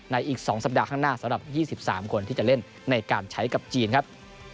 ในอีกสองสัปดาห์ข้างหน้าสำหรับยี่สิบสามคนที่จะเล่นในการใช้กับจีนครับ